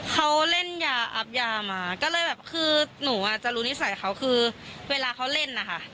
เขาเล่นยาอับยามาก็เลยแบบคือหนูอ่ะจะรู้นิสัยเขาคือเวลาเขาเล่นนะคะ